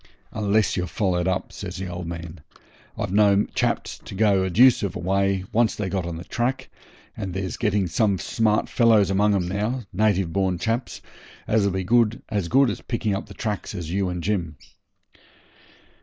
'Unless you're followed up,' says the old man. 'I've known chaps to go a deuce of a way, once they got on the track, and there's getting some smart fellows among 'em now native born chaps as'll be as good at picking up the tracks as you and Jim.'